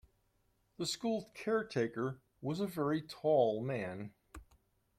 The school caretaker was a very tall man